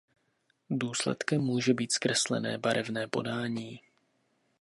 Důsledkem může být zkreslené barevné podání.